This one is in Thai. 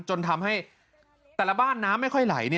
จนทำให้แต่ละบ้านน้ำไม่ค่อยไหล